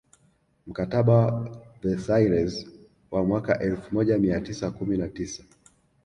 Mkataba wa Versailles wa mwaka elfu moja mia tisa kumi na tisa